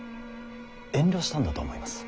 遠慮したんだと思います。